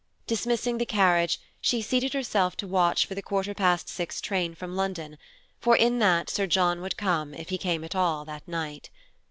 Dismissing the carriage, she seated herself to watch for the quarter past six train from London, for in that Sir John would come if he came at all that night.